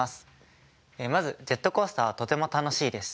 まずジェットコースターはとても楽しいです。